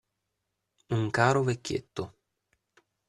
Un caro vecchietto.